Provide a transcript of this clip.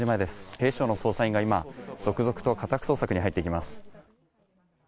警視庁の捜査員が今、続々と家宅捜索に入っていきます。